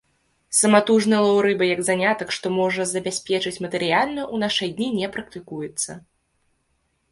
Саматужны лоў рыбы як занятак, што можа забяспечыць матэрыяльна, у нашыя дні не практыкуецца.